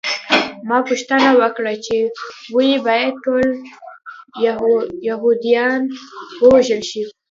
ما پوښتنه وکړه چې ولې باید ټول یهودان ووژل شي